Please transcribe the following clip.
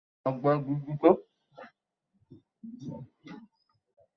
আমরা যদি আরও পেছনে ফিরে যাই, দেখতে পাই তিন যুবকের কথোপকথন।